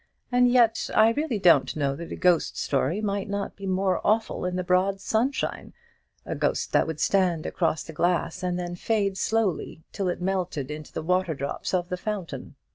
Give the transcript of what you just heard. And yet I really don't know that a ghost might not be more awful in the broad sunshine a ghost that would stalk across the grass, and then fade slowly, till it melted into the water drops of the fountain.